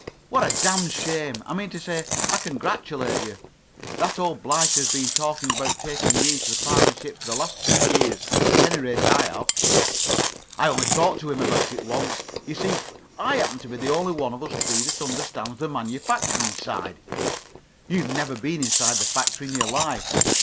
"What a damned shame! I mean to say, I congratulate you. That old blighter has been talking about taking me into partnership for the last two years. At any rate, I have." "I only talked to him about it once. You see, I happen to be the only one of us three that understands the manufacturing side. You've never been inside the factory in your life.